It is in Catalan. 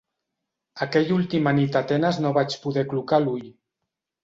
Aquella última nit a Atenes no vaig poder aclucar l'ull.